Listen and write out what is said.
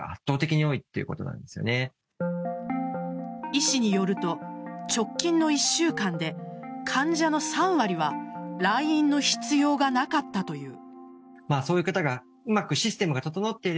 医師によると、直近の１週間で患者の３割は来院の必要がなかったという。